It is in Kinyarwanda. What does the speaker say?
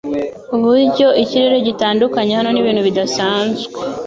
uburyo ikirere gitandukanye hano nibintu bidasanzwe